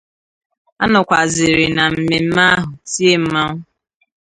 A nọkwazịrị na mmemme ahụ tie mmanwụ